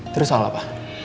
terus soal apa